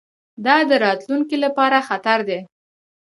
دا د راتلونکي لپاره خطر دی.